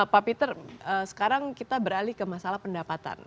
pak peter sekarang kita beralih ke masalah pendapatan